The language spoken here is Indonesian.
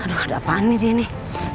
aduh ada apaan nih dia nih